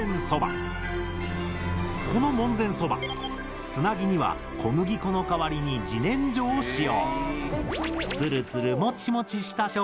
この門前そばつなぎには小麦粉の代わりにじねんじょを使用。